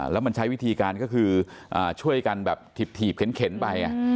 แล้วมันใช้วิธีการก็คือช่วยกันแบบถีบเข็นไป